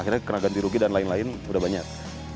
akhirnya kena ganti rugi dan lain lain udah banyak